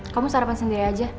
kamu sarapan sendiri aja